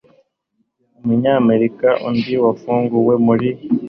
Umunyamerika undi wafunguwe muri